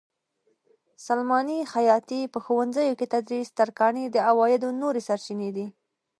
سلماني؛ خیاطي؛ په ښوونځیو کې تدریس؛ ترکاڼي د عوایدو نورې سرچینې دي.